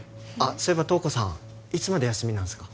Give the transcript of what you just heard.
そういえば瞳子さんいつまで休みなんですか？